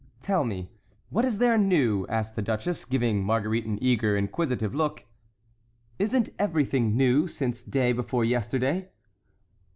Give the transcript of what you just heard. "Tell me, what is there new?" asked the duchess, giving Marguerite an eager, inquisitive look. "Isn't everything new since day before yesterday?"